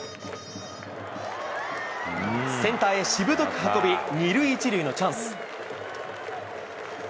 センターへしぶとく運び、２塁１塁のチャンス。